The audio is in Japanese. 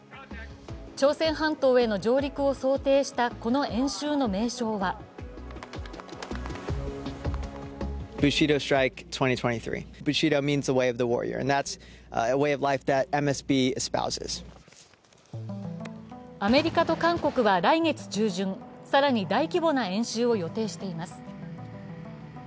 朝鮮半島への上陸を想定したこの演習の名称はアメリカと韓国は来月中旬、更に大規模な演習を予定しています。